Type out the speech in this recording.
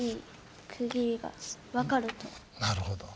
なるほど。